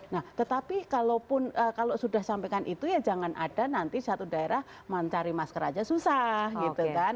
nah tetapi kalau sudah sampaikan itu ya jangan ada nanti satu daerah mencari masker aja susah gitu kan